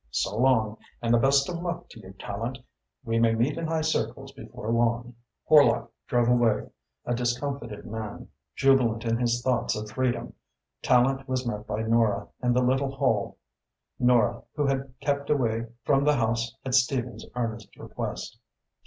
So long, and the best of luck to you, Tallente. We may meet in high circles before long." Horlock drove away, a discomfited man, jubilant in his thoughts of freedom. Tallente was met by Nora in the little hall Nora, who had kept away from the house at Stephen's earnest request.